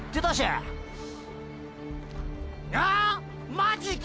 ⁉マジか！